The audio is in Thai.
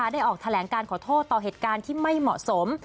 ได้ออกแถลงการขอโทษต่อเหตุการณ์ที่ไม่เหมาะสม